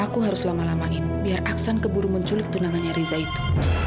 aku harus lama lamain biar aksan keburu menculik tunangannya riza itu